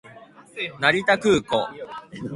成田空港